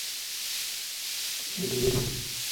شګلینه